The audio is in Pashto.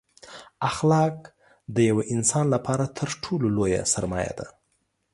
اخلاق دیوه انسان لپاره تر ټولو لویه سرمایه ده